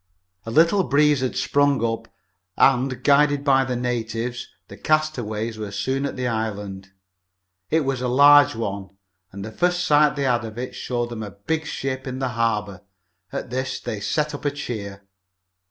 A little breeze had sprung up, and, guided by the natives, the castaways were soon at the island. It was a large one, and the first sight they had of it showed them a big ship in the harbor. At this they set up a cheer.